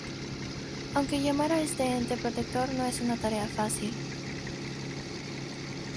Aunque llamar a este ente protector no es una tarea fácil.